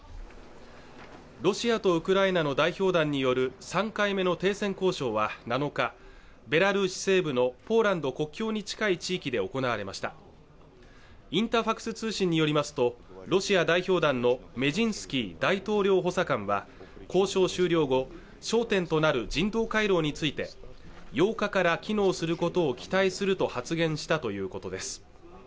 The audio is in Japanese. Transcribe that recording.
ロシアとウクライナの代表団による３回目の停戦交渉は７日ベラルーシ西部のポーランド国境に近い地域で行われましたインタファクス通信によりますとロシア代表団のメジンスキー大統領補佐官は交渉終了後焦点となる人道回廊について８日から機能することを期待すると発言したということです